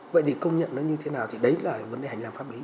vậy thì công nhận nó như thế nào thì đấy là vấn đề hành làm pháp lý